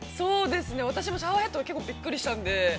◆私もシャワーヘッド、結構びっくりしたんで。